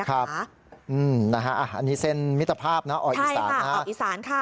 อันนี้เส้นมิตรภาพออกอีสานค่ะ